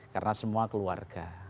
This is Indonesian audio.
karena semua keluarga